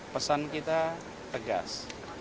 pesan kita tegas